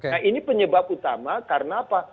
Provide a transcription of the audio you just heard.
nah ini penyebab utama karena apa